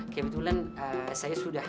kebetulan saya sudah